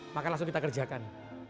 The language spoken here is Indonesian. maka langsung kita kerjakan